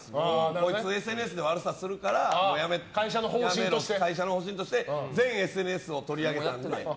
こいつ、ＳＮＳで悪さをするから会社の方針として全ＳＮＳを取り上げたので。